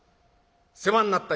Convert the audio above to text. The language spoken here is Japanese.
世話になった。